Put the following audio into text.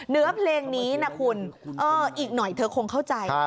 เนื้อเพลงนี้นะคุณอีกหน่อยเธอคงเข้าใจ